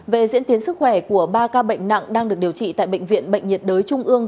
về diễn tiến sức khỏe của ba ca bệnh nặng đang được điều trị tại bệnh viện bệnh nhiệt đới trung ương